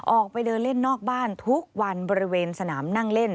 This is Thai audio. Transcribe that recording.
ออกไปเดินเล่นนอกบ้านทุกวันบริเวณสนามนั่งเล่น